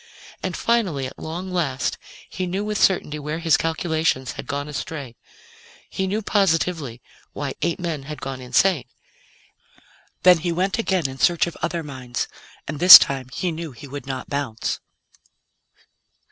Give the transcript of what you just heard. And finally, at long last, he knew with certainty where his calculations had gone astray. He knew positively why eight men had gone insane. Then he went again in search of other minds, and this time he knew he would not bounce.